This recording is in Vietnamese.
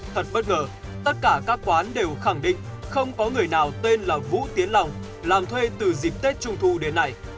thật bất ngờ tất cả các quán đều khẳng định không có người nào tên là vũ tiến lòng làm thuê từ dịp tết trung thu đến nay